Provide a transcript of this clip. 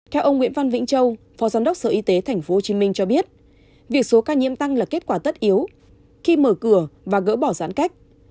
theo ông nguyễn văn vĩnh châu phó giám đốc sở y tế tp hcm cho biết việc số ca nhiễm tăng là kết quả tất yếu khi mở cửa và gỡ bỏ giãn cách